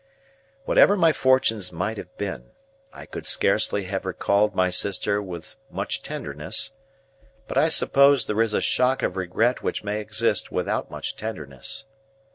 Whatever my fortunes might have been, I could scarcely have recalled my sister with much tenderness. But I suppose there is a shock of regret which may exist without much tenderness.